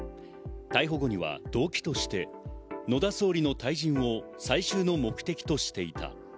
逮捕後には動機として、野田総理の退陣を最終の目的としていた。